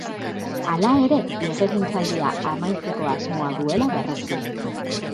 Hala ere, legegintzaldia amaitzeko asmoa duela berretsi du.